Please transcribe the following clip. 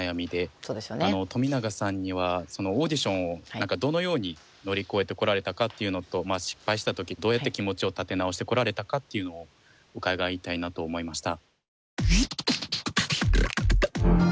冨永さんにはオーディションをどのように乗り越えてこられたかっていうのと失敗した時どうやって気持ちを立て直してこられたかっていうのを伺いたいなと思いました。